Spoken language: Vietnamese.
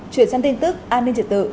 chuyển sang tin tức an ninh triển tự